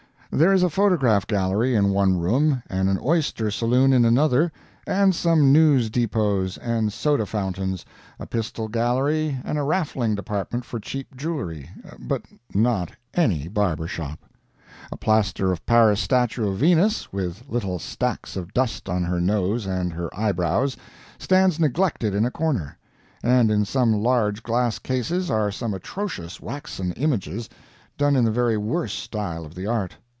There is a photograph gallery in one room and an oyster saloon in another, and some news depots and soda fountains, a pistol gallery, and a raffling department for cheap jewelry, but not any barber shop. A plaster of Paris statue of Venus, with little stacks of dust on her nose and her eyebrows, stands neglected in a corner, and in some large glass cases are some atrocious waxen images, done in the very worst style of the art.